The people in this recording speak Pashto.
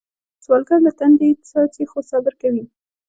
سوالګر له تندي څاڅي خو صبر کوي